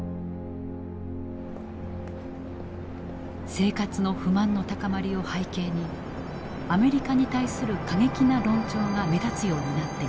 生活の不満の高まりを背景にアメリカに対する過激な論調が目立つようになっていた。